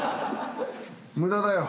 無駄だよ。